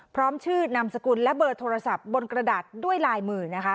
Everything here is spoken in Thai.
พร้อมชื่อนามสกุลและเบอร์โทรศัพท์บนกระดาษด้วยลายมือนะคะ